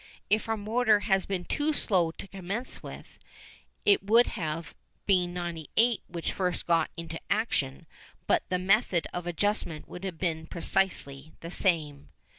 If our motor had been too slow to commence with, it would have been 98 which first got into action, but the method of adjustment would have been precisely the same.